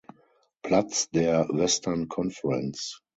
Platz der Western Conference.